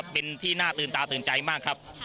เป็นที่น่าตื่นตาตื่นใจมากครับ